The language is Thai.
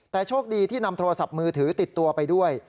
แต่โชคดีที่นำโทรศัพท์มือถือติดตัวไปด้วย